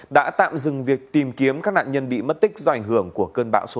đã tạm dừng việc tìm kiếm các nạn nhân bị mất tích do ảnh hưởng của cơn bão số năm